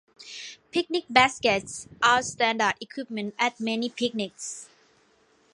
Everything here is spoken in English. Picnic baskets are standard equipment at many picnics.